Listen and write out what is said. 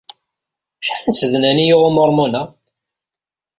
Acḥal n tsednan ay yuɣ Umormon-a?